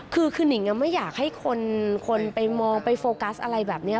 คือนิ่งไม่อยากให้คนไปมองไปโฟกัสอะไรแบบนี้